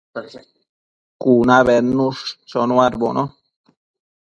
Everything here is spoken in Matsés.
cunabi bednush chonuadbono